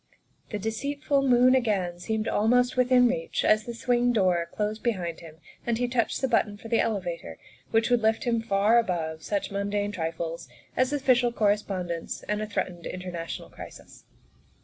'' The deceitful moon again seemed almost within reach as the swing door closed behind them and he touched the button for the elevator which would lift him far above such mundane trifles as official correspondence and a threatened international crisis.